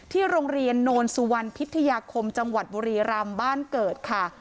โรงเรียนโนนสุวรรณพิทยาคมจังหวัดบุรีรำบ้านเกิดค่ะ